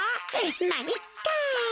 まいっか。